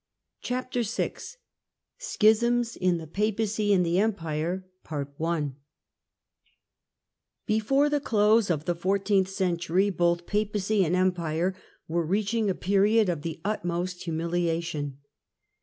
CHAPTEK VI SCHISMS IN THE PAPACY AND EMPIRE BEFOEE the close of the fourteenth century both Papacy and Empire were reaching a period of the utmost humihation.